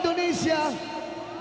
tidak ada yang bisa tersenyum